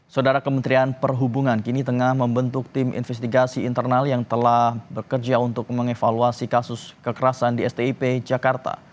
saudara kementerian perhubungan kini tengah membentuk tim investigasi internal yang telah bekerja untuk mengevaluasi kasus kekerasan di stip jakarta